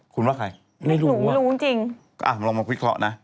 ใครอ่ะไม่รู้จริงคุณว่าใครอ่ะลองมาคุยเคราะห์นะ